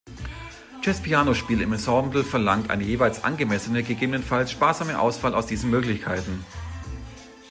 Jazz-Piano-Spiel im Ensemble verlangt eine jeweils angemessene, gegebenenfalls sparsame Auswahl aus diesen Möglichkeiten.